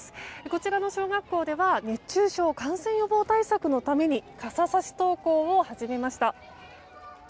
こちらの小学校では熱中症、感染予防対策のために傘さし登校を始めました。